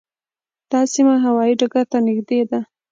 دا سیمه هوايي ډګر ته نږدې ده.